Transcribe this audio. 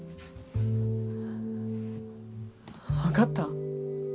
わかった？